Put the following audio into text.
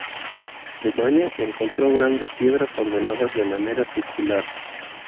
D. Mania encontró grandes piedras ordenadas de manera circular.